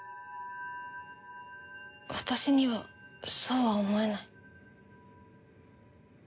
私にはそうは思えない。